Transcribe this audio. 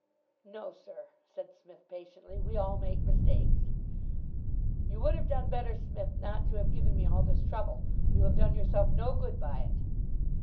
"No, sir," said Psmith patiently. "We all make mistakes." "You would have done better, Smith, not to have given me all this trouble. You have done yourself no good by it."